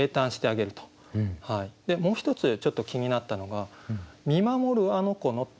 もう一つちょっと気になったのが「見守るあの子の」。